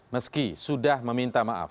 meski sudah meminta maaf